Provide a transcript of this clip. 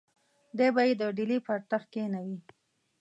دی به یې د ډهلي پر تخت کښېنوي.